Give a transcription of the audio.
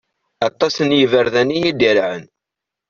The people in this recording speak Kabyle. Aṭas n iberdan i iderɛen.